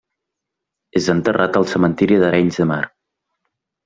És enterrat al Cementiri d'Arenys de Mar.